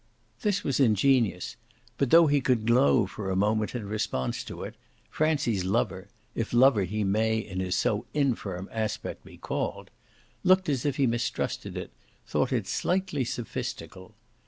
This was ingenious, but, though he could glow for a moment in response to it, Francie's lover if lover he may in his so infirm aspect be called looked as if he mistrusted it, thought it slightly sophistical.